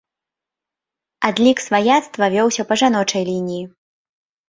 Адлік сваяцтва вёўся па жаночай лініі.